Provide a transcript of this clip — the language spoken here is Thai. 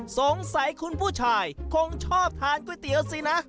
สงสัยคุณผู้ชายคงชอบทานก๋วยเตี๋ยวสินะ